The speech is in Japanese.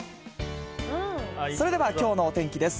それではきょうのお天気です。